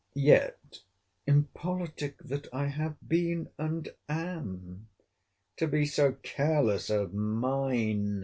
—Yet, [impolitic that I have been and am!] to be so careless of mine!